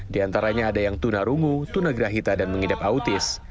di antaranya ada yang tunarungu tunagrahita dan mengidap autis